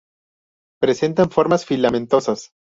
Presentan formas filamentosas.